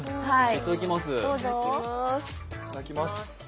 いただきます。